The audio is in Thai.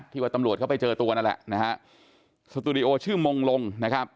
ว่าตำรวจเข้าไปเจอตัวนั่นแหละนะฮะสตูดิโอชื่อมงลงนะครับ